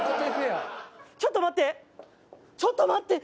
ちょっと待って！